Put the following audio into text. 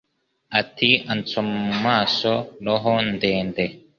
ati ansoma mumaso roho ndende